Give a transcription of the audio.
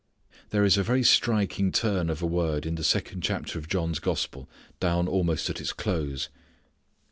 There is a very striking turn of a word in the second chapter of John's gospel down almost at its close.